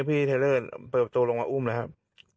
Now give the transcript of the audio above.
พี่เทรอร์นเปิดตัวลงมาอุ้มแล้วครับ